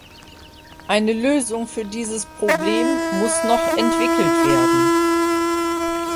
Eine Lösung für dieses Problem muss noch entwickelt werden.